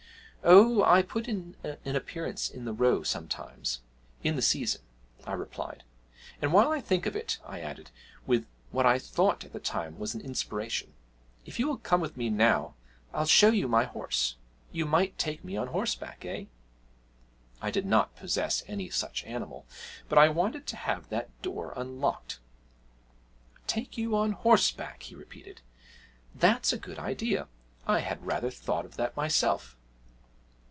'Oh, I put in an appearance in the Row sometimes, in the season,' I replied; 'and, while I think of it,' I added, with what I thought at the time was an inspiration, 'if you will come with me now, I'll show you my horse you might take me on horseback, eh?' I did not possess any such animal, but I wanted to have that door unlocked. 'Take you on horseback?' he repeated. 'That's a good idea I had rather thought of that myself.'